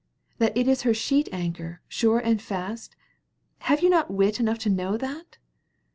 That it is her sheet anchor, sure and fast? Have you not wit enough to know that?"